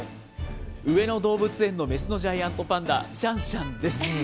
上野動物園の雌のジャイアントパンダ、シャンシャンです。